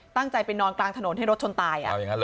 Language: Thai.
ไปนอนกลางถนนให้รถชนตาย